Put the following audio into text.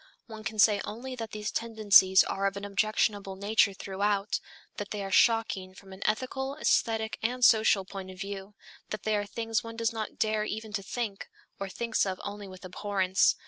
One can say only that these tendencies are of an objectionable nature throughout, that they are shocking from an ethical, aesthetic and social point of view, that they are things one does not dare even to think, or thinks of only with abhorrence.